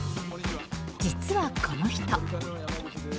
実は、この人。